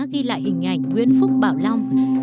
ghi lại hình ảnh nguyễn phúc bảo long